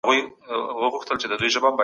ماشوم ته د روغې جوړې پیغام ورکول کېږي.